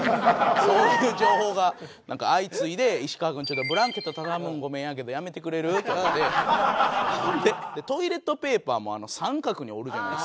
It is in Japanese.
そういう情報が相次いで「石川君ちょっとブランケット畳むんごめんやけどやめてくれる？」とかって。トイレットペーパーも三角に折るじゃないですか。